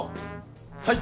はい！